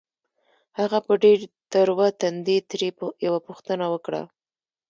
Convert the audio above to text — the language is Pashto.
هغه په ډېر تروه تندي ترې يوه پوښتنه وکړه.